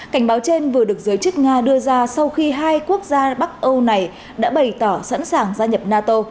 cảnh báo trên vừa được giới chức nga đưa ra sau khi hai quốc gia bắc âu này đã bày tỏ sẵn sàng gia nhập nato